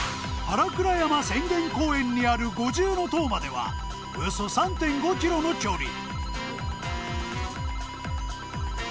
浅間公園にある五重塔まではおよそ３．５キロの距離